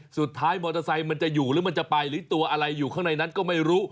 สุดท้ายมอเตอร์ไซค์มันจะอยู่หรือมันจะไปหรือตัวอะไรอยู่ข้างในนั้นก็ไม่รู้